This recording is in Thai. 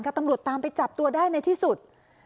ตำรวจตามไปจับตัวได้ในที่สุด